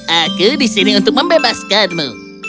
aku di sini untuk membebaskanmu